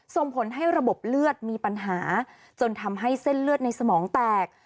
ส่งผลให้ระบบเลือดมีปัญหาจนทำให้เส้นเลือดในสมองแตก